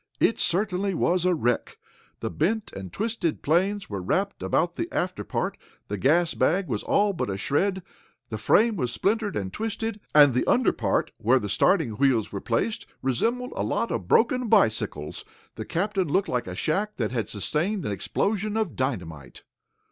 It certainly was a wreck! The bent and twisted planes were wrapped about the afterpart, the gas bag was but a shred, the frame was splintered and twisted, and the under part, where the starting wheels were placed, resembled a lot of broken bicycles. The cabin looked like a shack that had sustained an explosion of dynamite.